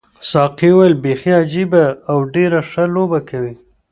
ساقي وویل بیخي عجیبه او ډېره ښه لوبه کوي.